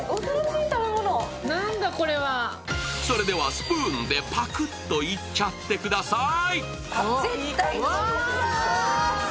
スプーンでパクッといっちゃってくださーい。